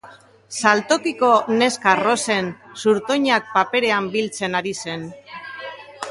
Saltokiko neska arrosen zurtoinak paperean biltzen ari zen.